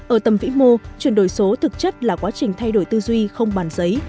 ở tầm vĩ mô chuyển đổi số thực chất là quá trình thay đổi tư duy không bàn giấy